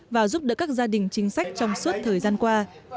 và giúp đỡ các gia đình chính sách trong suốt thời gian qua